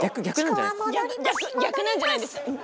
「逆なんじゃないですか」。